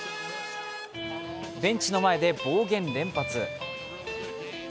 ベンチの前で暴言連発。